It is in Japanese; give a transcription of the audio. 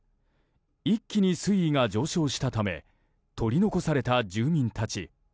一気に水位が上昇したため取り残された住民たち。